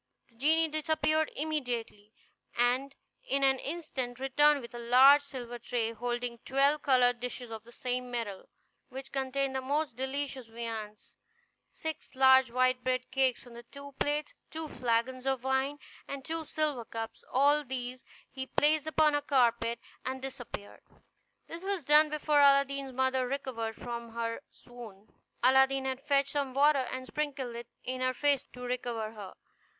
The genie disappeared immediately, and in an instant returned with a large silver tray, holding twelve covered dishes of the same metal, which contained the most delicious viands; six large white bread cakes on two plates, two flagons of wine, and two silver cups. All these he placed upon a carpet, and disappeared; this was done before Aladdin's mother recovered from her swoon. Aladdin had fetched some water, and sprinkled it in her face to recover her.